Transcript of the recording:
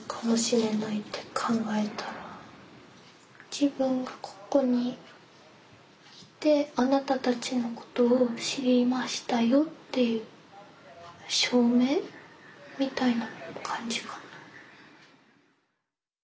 自分がここにいてあなたたちのことを知りましたよっていう証明みたいな感じかな。